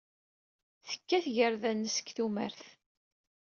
Tekka tagerda-nnes deg tumert.